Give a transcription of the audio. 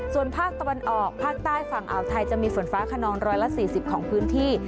ส่วนภาคตะวันออกภาคใต้ฝั่งอ่าวไทยจะมีฝนฟ้าขนอง๑๔๐ของพื้นที่